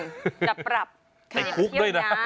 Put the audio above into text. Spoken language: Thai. จะปรับในทิพย์นะในคุกด้วยนะ